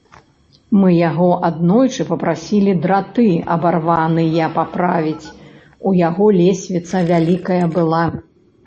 Мы яго аднойчы папрасілі драты абарваныя паправіць, у яго лесвіца вялікая была.